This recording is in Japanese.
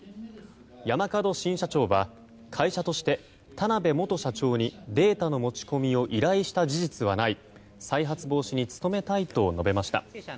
山門新社長は会社として田辺元社長にデータの持ち込みを依頼した事実はない再発防止に努めたいと述べました。